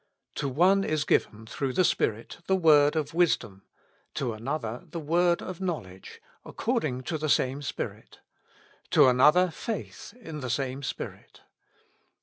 "To one is given, through the Spirit, the word of wisdom ; to another the word of knowledge, according to the same Spirit ; to another faith, in the same Spirit."